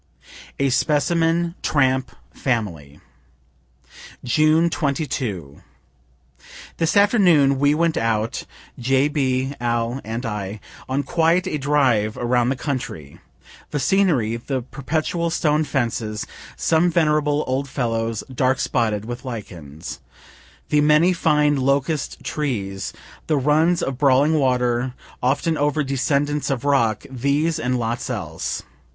A SPECIMEN TRAMP FAMILY June 22. This afternoon we went out (J. B., Al. and I) on quite a drive around the country. The scenery, the perpetual stone fences, (some venerable old fellows, dark spotted with lichens) the many fine locust trees the runs of brawling water, often over descents of rock these, and lots else.